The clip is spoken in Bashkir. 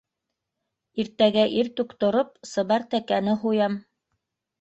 Иртәгә иртүк тороп сыбар тәкәне һуям.